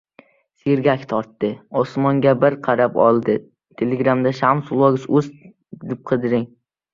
sergak tortdi. Osmonga bir qarab oldi.